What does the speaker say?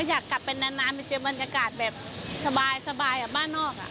อยากกลับไปนานไปเจอบรรยากาศแบบสบายบ้านนอก